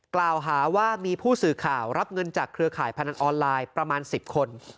กล่าวหาว่ามีผู้สื่อข่าวรับเงินจากเครือข่ายพนันออนไลน์ประมาณ๑๐คน